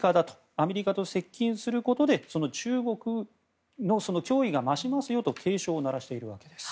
アメリカと接近することでその中国の脅威が増しますと警鐘を鳴らしています。